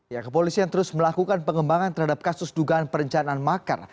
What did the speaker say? ya kepolisian terus melakukan pengembangan terhadap kasus dugaan perencanaan makar